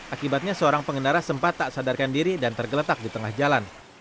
akibatnya seorang pengendara sempat tak sadarkan diri dan tergeletak di tengah jalan